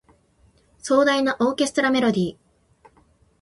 壮大なオーケストラメロディ